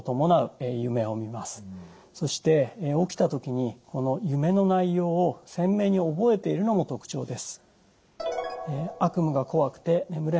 そして起きた時に夢の内容を鮮明に覚えているのも特徴です。